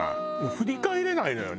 振り返れないのよね。